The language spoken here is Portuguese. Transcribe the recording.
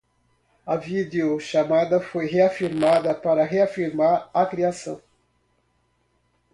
A videochamada foi reafirmada para reafirmar a criação